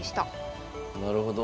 なるほど。